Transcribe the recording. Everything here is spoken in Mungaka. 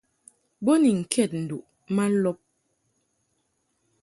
Bo ni ŋkɛd nduʼ ma lɔb.